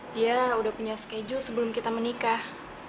dia udah punya schedule sebelum kita menikah